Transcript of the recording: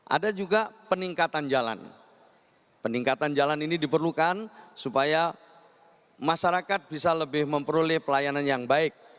ada juga peningkatan jalan peningkatan jalan ini diperlukan supaya masyarakat bisa lebih memperoleh pelayanan yang baik